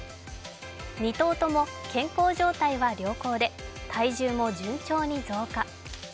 ２頭とも健康状態は良好で体重も順調に増加。